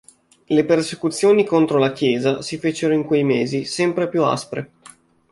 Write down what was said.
Le persecuzioni contro la Chiesa si fecero in quei mesi sempre più aspre.